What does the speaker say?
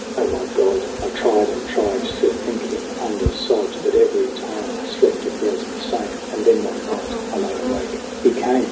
O my God ! I tried and tried to think him under sod ; But every time I slept it was the same. And then one night I lay awake he came